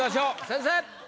先生！